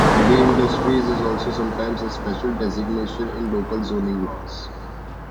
Heavy industry is also sometimes a special designation in local zoning laws.